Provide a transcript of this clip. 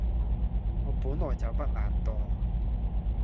我本來就不懶惰